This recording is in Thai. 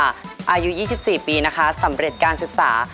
อายุ๒๔ปีนะคะสำเร็จการศึกษา